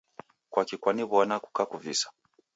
Kwaki kwaniwona kakuvisa?